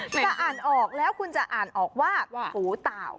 แต่อ่านออกแล้วคุณจะอ่านออกว่าหูเต่า